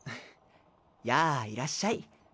やぁいらっしゃい。